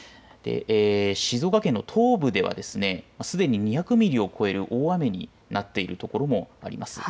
静岡県の東部では、すでに２００ミリを超える大雨になっているところもあります。